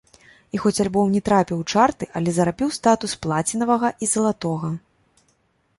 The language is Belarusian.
І хоць альбом не трапіў у чарты, але зарабіў статус плацінавага і залатога.